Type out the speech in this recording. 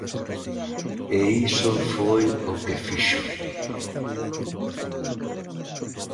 E iso foi o que fixo.